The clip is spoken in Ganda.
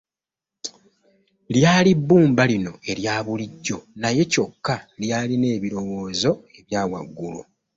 Lyali bbumba lino erya bulijjo, naye kyokka lyalina ebirowoozo ebya waggulu.